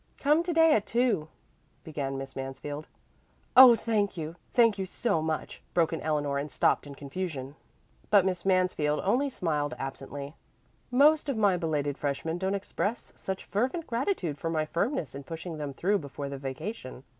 "Come to day at two," began Miss Mansfield. "Oh thank you! Thank you so much!" broke in Eleanor and stopped in confusion. But Miss Mansfield only smiled absently. "Most of my belated freshmen don't express such fervent gratitude for my firmness in pushing them through before the vacation.